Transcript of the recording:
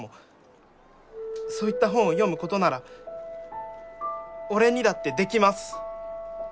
そういった本を読むことなら俺にだってできます！